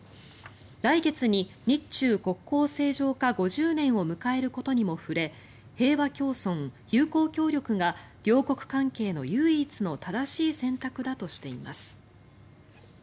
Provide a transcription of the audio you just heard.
来月に日中国交正常化５０年を迎えることにも触れ平和共存・友好協力が両国関係の唯一の正しい選択だとしています。